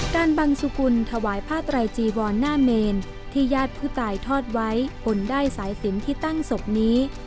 การบังสุกุลถวายผ้าไตรจีวรหน้าเมนที่ญาติผู้ตายทอดไว้บนด้ายสายสินที่ตั้งศพนี้